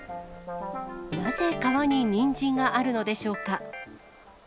なぜ川にニンジンがあるのでしょうか。